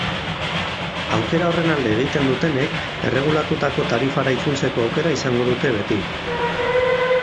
Aukera horren alde egiten dutenek, erregulatutako tarifara itzultzeko aukera izango dute beti.